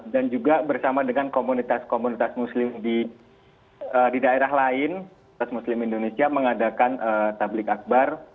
dan juga bersama dengan komunitas komunitas muslim di daerah lain komunitas muslim indonesia mengadakan tablik akbar